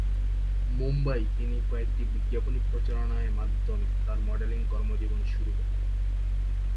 মুম্বাই তিনি কয়েকটি বিজ্ঞাপনী প্রচারণায় মাধ্যমে তার মডেলিং কর্মজীবন শুরু করেন।